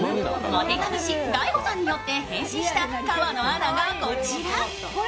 モテ髪師・大悟さんによって変身した河野アナがこちら。